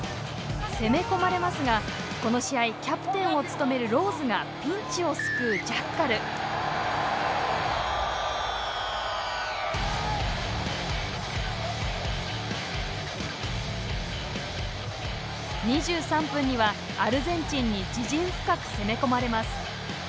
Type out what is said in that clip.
攻め込まれますがこの試合キャプテンを務めるローズがピンチを救うジャッカル２３分にはアルゼンチンに自陣深く攻め込まれます